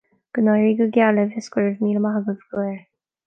Go n-éirí go geal libh is go raibh míle maith agaibh go léir